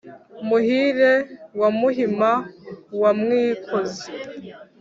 Muhire wa Muhima wa Mwikozi